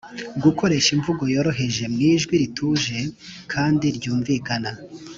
gukoresha imvugo yoroheje mu ijwi rituje kandi ryumvikana